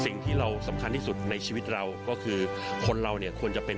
สิ่งที่เราสำคัญที่สุดในชีวิตเราก็คือคนเราเนี่ยควรจะเป็น